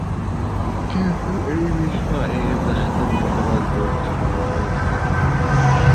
কিন্তু এই বিষয়ে তাঁহাদের মতবাদ বৌদ্ধ মতবাদ হইতে ভিন্ন।